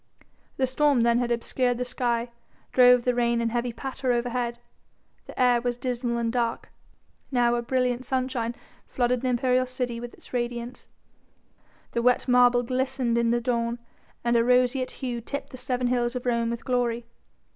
The storm then had obscured the sky, drove the rain in heavy patter overhead, the air was dismal and dark: now a brilliant sunshine flooded the imperial city with its radiance, the wet marble glistened in the dawn and a roseate hue tipped the seven hills of Rome with glory.